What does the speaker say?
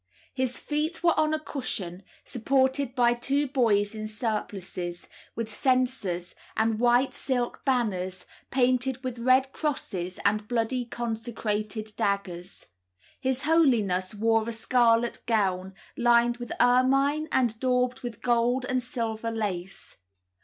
His feet were on a cushion, supported by two boys in surplices, with censers and white silk banners, painted with red crosses and bloody consecrated daggers. His Holiness wore a scarlet gown, lined with ermine and daubed with gold and silver lace.